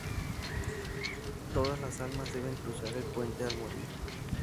Todas las almas deben cruzar el puente al morir.